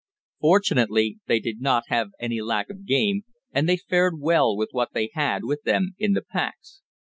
Fortunately they did not have any lack of game, and they fared well with what they had with them in the packs.